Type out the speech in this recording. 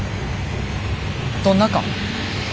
どんなか？